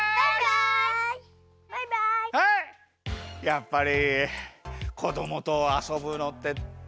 やっぱりこどもとあそぶのってたのしいな。